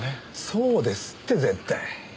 そうですって絶対。